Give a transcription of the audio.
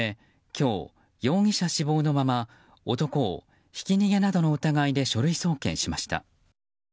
今日、容疑者死亡のまま男をひき逃げなどの疑いで書類送検しました。